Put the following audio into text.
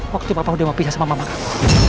waktu papa berdua berpisah sama mama kamu